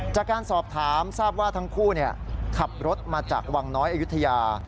จากการสอบถามทราบว่าทั้งคู่ขับรถมาจากวังน้อยอายุทยา